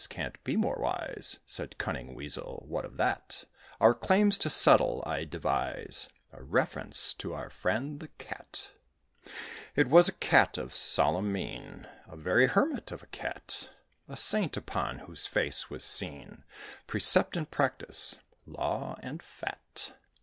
can't be more wise!" Said cunning Weasel. "What of that? Our claims to settle, I devise A reference to our friend the Cat." It was a Cat of solemn mien A very hermit of a Cat: A saint, upon whose face was seen Precept and practice, law, and fat.